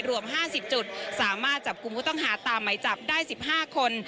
รวม๕๐จุดสามารถจับกลุ่มผู้ต้องหาตามไหมจับได้๑๕คน